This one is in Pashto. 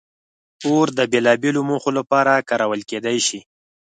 اور د بېلابېلو موخو لپاره کارول کېدی شي.